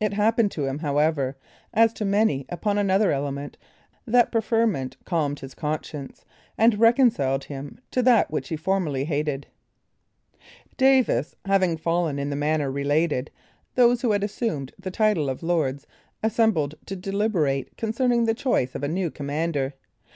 It happened to him, however, as to many upon another element, that preferment calmed his conscience, and reconciled him to that which he formerly hated. Davis having fallen in the manner related, those who had assumed the title of Lords assembled to deliberate concerning the choice of a new commander.